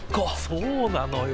そうなのよ。